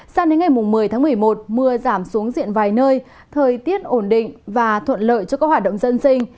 sang đến ngày một mươi tháng một mươi một mưa giảm xuống diện vài nơi thời tiết ổn định và thuận lợi cho các hoạt động dân sinh